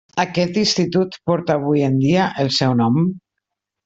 Aquest institut porta avui en dia el seu nom.